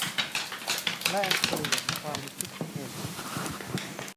แลกเปลี่ยนความคิดเห็น